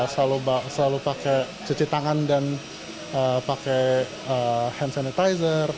selalu pakai cuci tangan dan pakai hand sanitizer